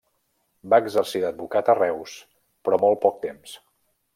Va exercir d'advocat a Reus, però molt poc temps.